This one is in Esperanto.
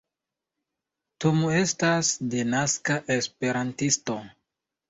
Tomo estas denaska Esperantisto.